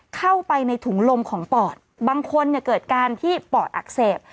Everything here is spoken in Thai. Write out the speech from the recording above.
เข้าไปในถุงลมของปอดบางคนเนี่ยเกิดการที่ปอดอักเสบ